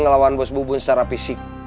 ngelawan bos bubun secara fisik